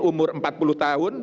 umur empat puluh tahun